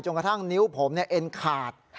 จนกระทั่งนิ้วผมเนี่ยเอ็นขาด